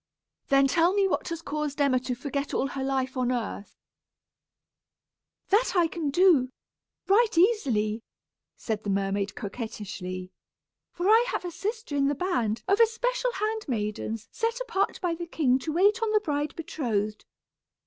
"Then tell me what has caused Emma to forget all her life on earth?" "That I can do, right easily," said the mermaid, coquettishly; "for I have a sister in the band of especial hand maidens set apart by the king to wait on the bride betrothed.